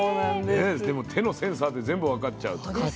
手のセンサーで全部分かっちゃうと。